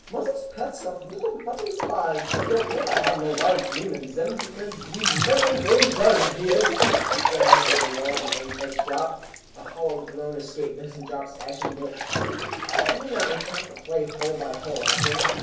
"Muzzer's pet got little buttons of eyes, that don't never have no wild gleam in zem because he's muzzer's own darling, he was!" said Mrs. Luella Mainprice Jopp. A hollow groan escaped Vincent Jopp's ashen lips. I need not recount the play hole by hole, I think.